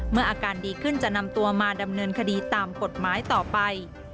อาการดีขึ้นจะนำตัวมาดำเนินคดีตามกฎหมายต่อไป